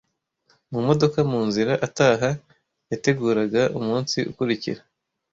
Mu modoka mu nzira ataha, yateguraga umunsi ukurikira.